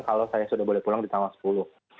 kalau saya sudah boleh pulang di tanggal sepuluh